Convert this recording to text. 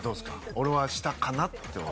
俺は下かなって。